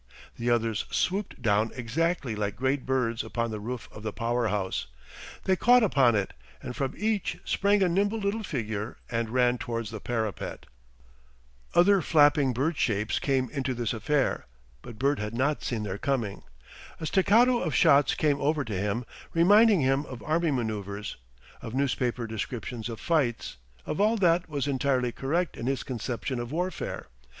The others swooped down exactly like great birds upon the roof of the power house. They caught upon it, and from each sprang a nimble little figure and ran towards the parapet. Other flapping bird shapes came into this affair, but Bert had not seen their coming. A staccato of shots came over to him, reminding him of army manoeuvres, of newspaper descriptions of fights, of all that was entirely correct in his conception of warfare.